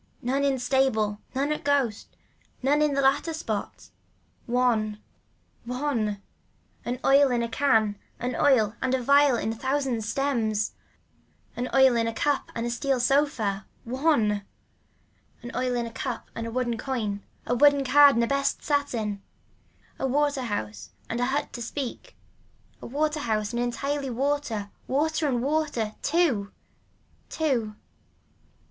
None in stable, none at ghosts, none in the latter spot. ONE. One. An oil in a can, an oil and a vial with a thousand stems. An oil in a cup and a steel sofa. One. An oil in a cup and a woolen coin, a woolen card and a best satin. A water house and a hut to speak, a water house and entirely water, water and water. TWO. Two.